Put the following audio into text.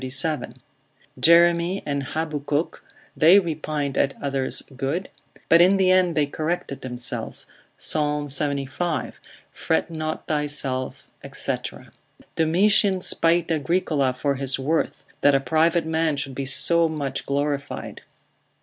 37. Jeremy and Habakkuk, they repined at others' good, but in the end they corrected themselves, Psal. 75, fret not thyself, &c. Domitian spited Agricola for his worth, that a private man should be so much glorified.